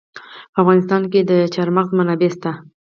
په افغانستان کې د چار مغز منابع شته.